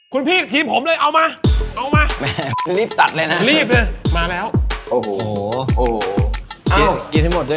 คุณพี่ทีมผมเลยเอามาเอามาเรียบตัดเลยนะรีบมายังไงมาแล้วโอ้